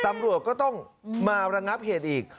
ตำรวจก็ต้องมาระงับเหตุอีก